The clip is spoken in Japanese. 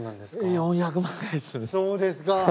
そうですか。